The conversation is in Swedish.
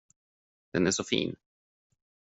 Den är så fin.